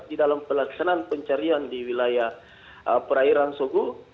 di dalam pelaksanaan pencarian di wilayah perairan sogo